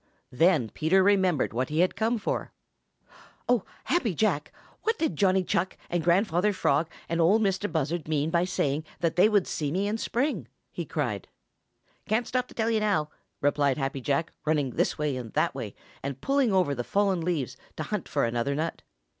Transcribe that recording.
Then Peter remembered what he had come for. "Oh, Happy Jack, what did Johnny Chuck and Grandfather Frog and Ol' Mistah Buzzard mean by saying that they would see me in the spring?" he cried. "Can't stop to tell you now!" replied Happy Jack, running this way and that way, and pulling over the fallen leaves to hunt for another nut.